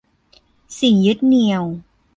สิ่งยึดเหนี่ยว